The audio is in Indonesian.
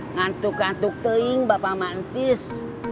ngan tu kan tuk teu'ing bapak mantis